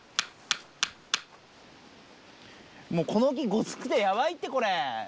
もうこの木ごつくてヤバいってこれ。